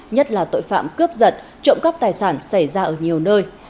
nhất là tội phạm cướp giật trộm cắp tài sản xảy ra ở nhiều nơi